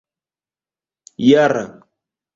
jara